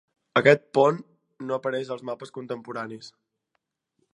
Aquest pont no apareix als mapes contemporanis.